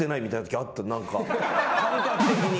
感覚的に。